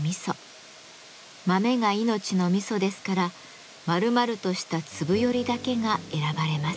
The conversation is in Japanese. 豆が命の味噌ですから丸々とした粒よりだけが選ばれます。